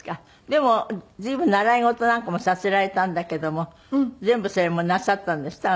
でも随分習い事なんかもさせられたんだけども全部それもなさったんですって？